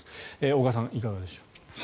小川さん、いかがでしょうか。